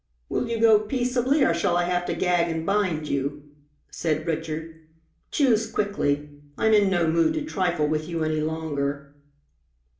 "Will you go peaceably, or shall I have to gag and bind you?" said Richard. "Choose quickly. I'm in no mood to trifle with you any longer."